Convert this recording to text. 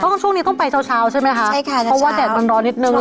แต่ช่วงนี้ต้องไปเช้าใช่ไหมคะเพราะว่าแดดมันร้อนนิดนึง